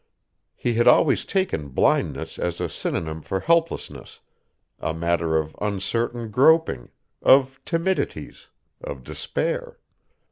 He had always taken blindness as a synonym for helplessness, a matter of uncertain groping, of timidities, of despair.